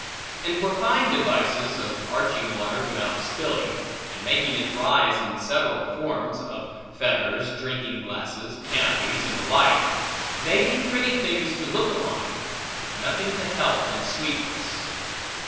And for fine devices, of arching water without spilling, and making it rise in several forms (of feathers, drinking glasses, canopies, and the like), they be pretty things to look on, but nothing to health and sweetness.